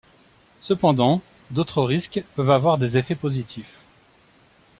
Cependant, d’autres risques peuvent avoir des effets positifs.